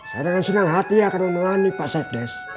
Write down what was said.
saya dengan senang hati akan menelani pak ustadz rw